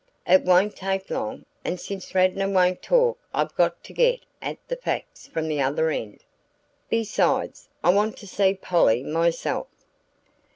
"It won't take long and since Radnor won't talk I've got to get at the facts from the other end. Besides, I want to see Polly myself."